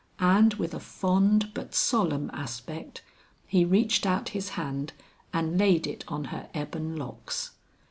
And with a fond but solemn aspect he reached out his hand and laid it on her ebon locks.